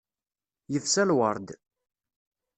Yefsa lwerḍ.